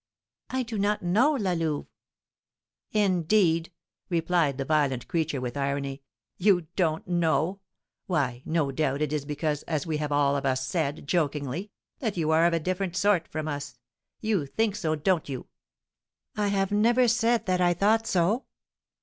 "I do not know, La Louve." "Indeed!" replied the violent creature, with irony. "You don't know! Why, no doubt, it is because, as we have all of us said, jokingly, that you are of a different sort from us. You think so, don't you?" "I have never said that I thought so."